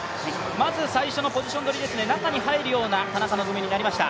まず最初のポジション取りですね、中に入るような田中希実になりました。